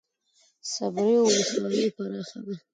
صبریو ولسوالۍ پراخه ده؟